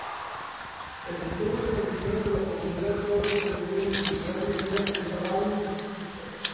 El sistema tradicional de la comunidad todavía sobrevive en gran medida en Tuvalu.